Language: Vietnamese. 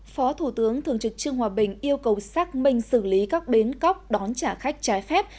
phó thủ tướng thường trực trương hòa bình yêu cầu xác minh xử lý các bến cóc đón trả khách trái phép